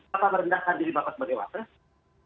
bapak merendahkan diri bapak pertewatan